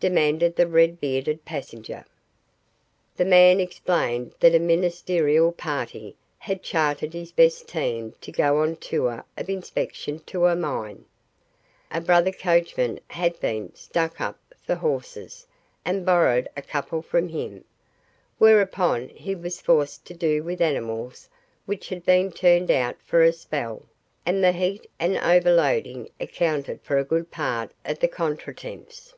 demanded the red bearded passenger. The man explained that a ministerial party had chartered his best team to go on a tour of inspection to a mine; a brother coachman had been "stuck up" for horses, and borrowed a couple from him, whereupon he was forced to do with animals which had been turned out for a spell, and the heat and overloading accounted for a good part of the contretemps.